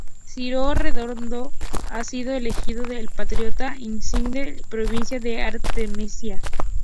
Ciro Redondo ha sido elegido el Patriota Insigne de la Provincia de Artemisa.